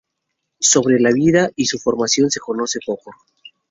Sobre la vida y su formación se conoce poco.